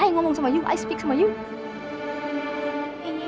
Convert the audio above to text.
ayah ngomong sama yuk i speak sama yuk